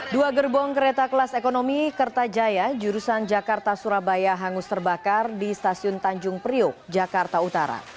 dua gerbong kereta kelas ekonomi kertajaya jurusan jakarta surabaya hangus terbakar di stasiun tanjung priok jakarta utara